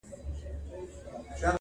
خان په لور پسي کوله خیراتونه -